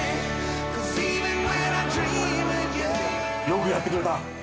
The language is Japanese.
よくやってくれた。